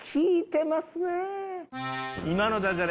今のダジャレ。